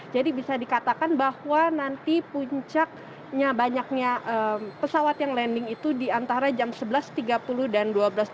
jadi bisa dikatakan bahwa nanti puncaknya banyaknya pesawat yang landing itu di antara jam sebelas tiga puluh dan dua belas dua puluh